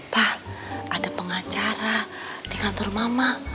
pak ada pengacara di kantor mama